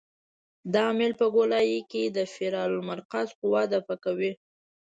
دا میل په ګولایي کې د فرار المرکز قوه دفع کوي